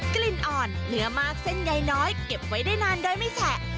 กลิ่นอ่อนเนื้อมากเส้นใยน้อยเก็บไว้ได้นานโดยไม่แฉะ